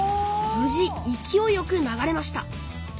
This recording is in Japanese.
無事いきおいよく流れました。